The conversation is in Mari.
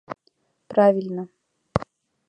Правильно!